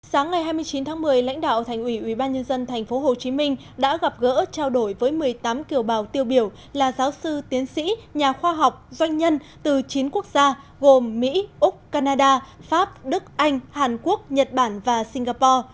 sáng ngày hai mươi chín tháng một mươi lãnh đạo thành ủy ubnd tp hcm đã gặp gỡ trao đổi với một mươi tám kiều bào tiêu biểu là giáo sư tiến sĩ nhà khoa học doanh nhân từ chín quốc gia gồm mỹ úc canada pháp đức anh hàn quốc nhật bản và singapore